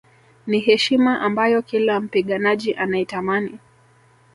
Ni heshima ambayo kila mpiganaji anaitamani